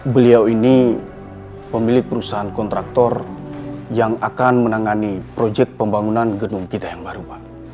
beliau ini pemilik perusahaan kontraktor yang akan menangani proyek pembangunan gedung kita yang baru